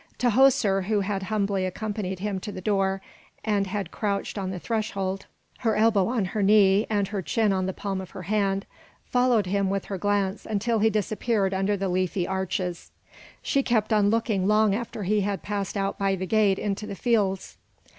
Tahoser, who had humbly accompanied him to the door, and had crouched on the threshold, her elbow on her knee and her chin on the palm of her hand, followed him with her glance until he disappeared under the leafy arches. She kept on looking long after he had passed out by the gate into the fields.